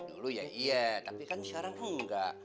dulu ya iya tapi kan sekarang enggak